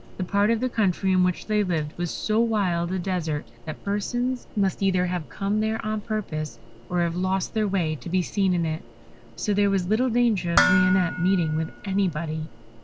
The part of the country in which they lived was so wild a desert that persons must either have come there on purpose, or have lost their way, to be seen in it, so there was little danger of Lionette meeting with anybody.